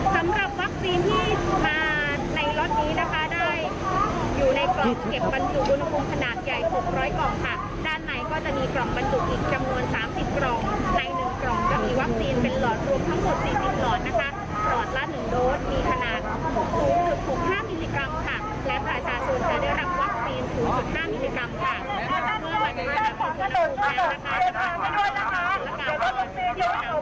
สำหรับวัคซีนที่มาในรถนี้นะคะได้อยู่ในกล่องเก็บบรรษิวบุณภูมิขนาดใหญ่๖๐๐กล่องค่ะ